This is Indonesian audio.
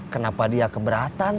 kenapa dia keberatan